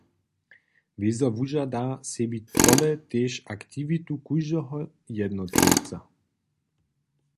Wězo wužada sebi tole tež aktiwitu kóždeho jednotliwca.